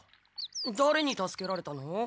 だれに助けられたの？